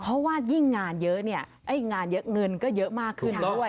เพราะว่ายิ่งงานเยอะเนี่ยงานเยอะเงินก็เยอะมากขึ้นด้วย